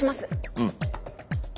うん。